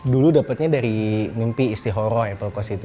dulu dapetnya dari mimpi istihoro apple cost itu